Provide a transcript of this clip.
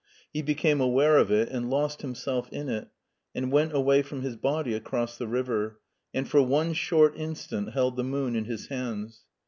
He became aware of it and lost himself in it and went away from his body across the river, and for one short instant held the moon ill his hands.